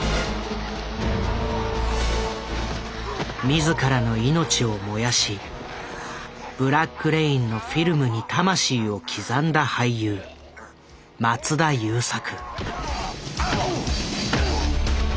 自らの命を燃やし「ブラック・レイン」のフィルムに魂を刻んだ俳優松田優作。